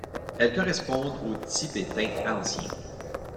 Elles correspondent au tibétain ancien.